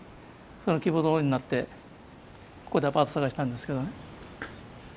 その希望どおりになってここでアパート探したんですけどね。